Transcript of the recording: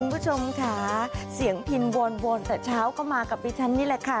คุณผู้ชมค่ะเสียงพินวนแต่เช้าก็มากับดิฉันนี่แหละค่ะ